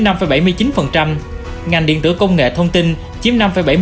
ngành điện tửa công nghệ thông tin chiếm năm bảy mươi chín